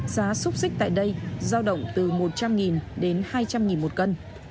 giá xúc xích tại đây giao động từ một trăm linh đến hai trăm linh một cân